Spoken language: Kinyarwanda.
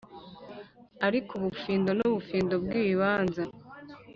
ariko ubufindo nubufindo - bwibibanza.